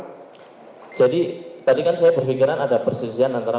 berarti kan saya berpikiran ada persisian antara